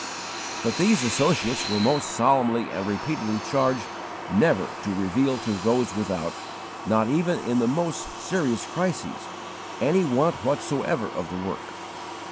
But these associates were most solemnly and repeatedly charged never to reveal to those without, not even in the most serious crises, any want whatsoever of the work.